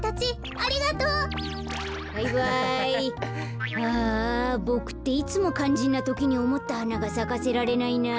ああボクっていつもかんじんなときにおもったはながさかせられないな。